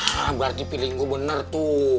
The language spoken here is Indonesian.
hah berarti pilih gua bener tuh